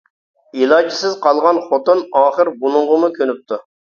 ئىلاجسىز قالغان خوتۇن ئاخىر بۇنىڭغىمۇ كۆنۈپتۇ.